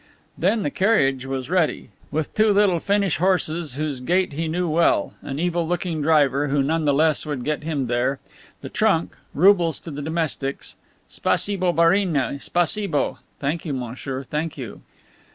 Then the carriage was ready, with two little Finnish horses, whose gait he knew well, an evil looking driver, who none the less would get him there; the trunk; roubles to the domestics. "Spacibo, barine. Spacibo." (Thank you, monsieur. Thank you.)